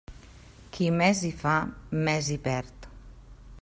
Qui més hi fa més hi perd.